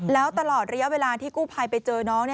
แล้วตลอดระยะเวลาที่กู้ภัยไปเจอน้อง